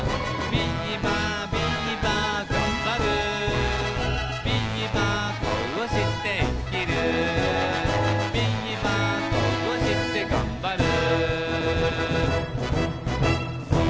「ビーバーこうしてがんばる」